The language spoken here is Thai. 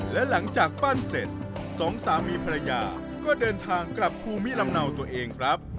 และหลังจากปั้นเสร็จสองสามีภรรยาก็เดินทางกลับภูมิลำเนาตัวเองครับ